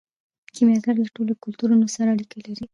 کیمیاګر له ټولو کلتورونو سره اړیکه لري.